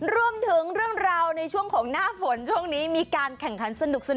เรื่องราวในช่วงของหน้าฝนช่วงนี้มีการแข่งขันสนุก